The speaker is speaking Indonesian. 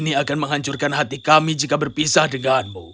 ini akan menghancurkan hati kami jika berpisah denganmu